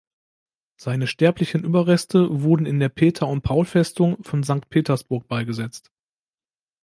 Seine sterblichen Überreste wurden in der Peter-und-Paul-Festung von Sankt Petersburg beigesetzt.